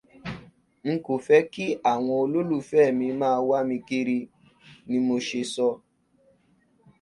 N kò fẹ́ kí àwọn olólùfẹ́ mi máa wá mi káàkiri ni mo sọ